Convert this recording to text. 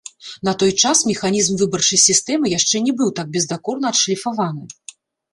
На той час механізм выбарчай сістэмы яшчэ не быў так бездакорна адшліфаваны.